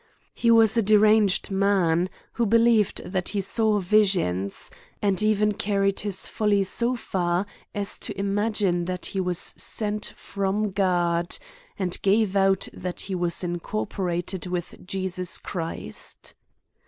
He was a deranged man, who believed that he saw visions ; and even carried his folly so far a&to im aojine, that he was sent from God, and gave out that he was incorporated with Jesus Christ.